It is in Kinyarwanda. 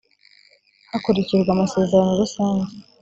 hakurikijwe amasezerano rusange